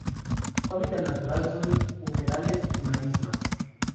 Su hábitat natural son humedales y marismas.